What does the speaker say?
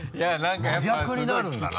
真逆になるんだな。